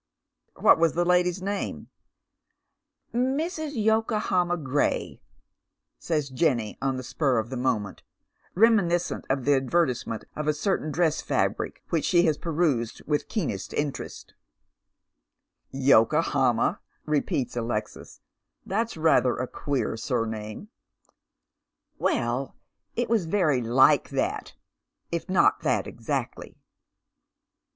" What was the lady's name ?" "Mrs. Yokohama Gray," says Jenny on the spur of the moment, reminiscent of the advertisement of a certain dress fabric which she has perused with keenest interest. Jenny's Visitor. 147 " Yokohama," repeats Alexis, " that's ratricr a queer Hur name." " "Well, it was very lilce that, if not that exactly."